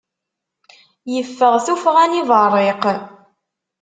Yeffeɣ tuffɣa n yiberriq.